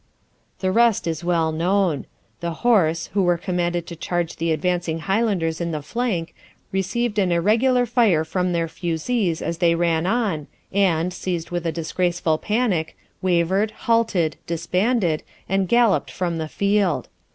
The rest is well known. The horse, who were commanded to charge the advancing Highlanders in the flank, received an irregular fire from their fusees as they ran on and, seized with a disgraceful panic, wavered, halted, disbanded, and galloped from the field.